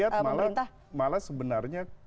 yang saya lihat malah sebenarnya